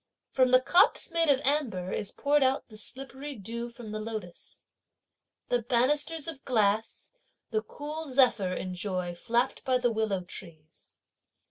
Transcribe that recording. From the cups made of amber is poured out the slippery dew from the lotus. The banisters of glass, the cool zephyr enjoy flapped by the willow trees.